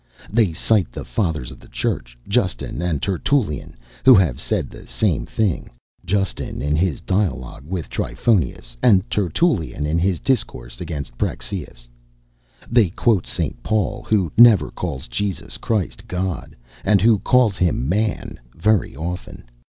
They cite the fathers of the church, Justin and Tertullian, who have said the same thing: Justin in his "Dialogue with Triphonius;" and Tertullian, in his "Discourse against Praxeas." They quote St. Paul, who never calls Jesus Christ, God, and who calls him man very often.